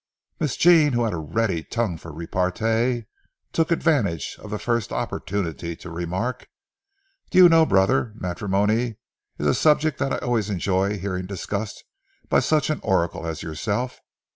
Miss Jean, who had a ready tongue for repartee, took advantage of the first opportunity to remark: "Do you know, brother, matrimony is a subject that I always enjoy hearing discussed by such an oracle as yourself.